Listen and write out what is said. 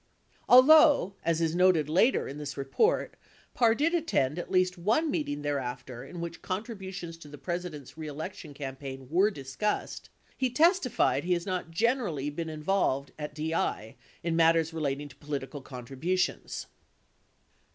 Although, as is noted later in this report, Parr did attend at least, one meeting thereafter in which contributions to the President's reelection campaign were discussed, he testified he has not generally been involved at DI in matters relat ing to political contributions.